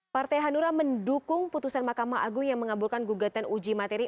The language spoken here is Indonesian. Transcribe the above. partai hanura mendukung putusan mahkamah agung yang mengabulkan gugatan uji materi